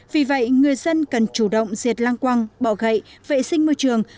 vì vậy người dân cần chủ động diệt lang quang bỏ gậy vệ sinh môi trường